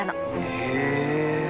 へえ。